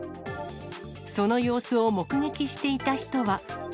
その様子を目撃していた人は。